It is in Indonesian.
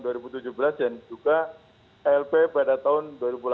dan juga lp pada tahun dua ribu delapan belas